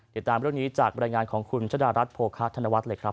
ติดตามเรื่องนี้จากบรรยายงานของคุณชะดารัฐโภคะธนวัฒน์เลยครับ